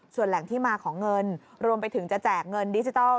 ส่วนแหล่งที่มาของเงินรวมไปถึงจะแจกเงินดิจิทัล